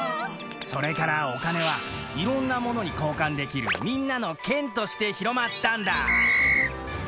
それからお金はいろんなものに交換できるみんなの券として広まったんだ。